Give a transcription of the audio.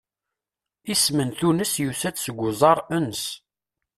Isem n Tunes yusa-d seg uẓaṛ ens.